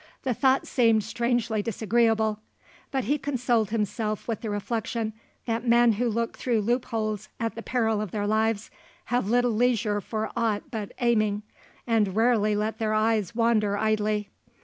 The thought seemed strangely disagreeable; but he consoled himself with the reflection that men who look through loopholes at the peril of their lives have little leisure for aught but aiming, and rarely let their eyes wander idly.